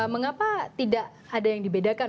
mengapa tidak ada yang dibedakan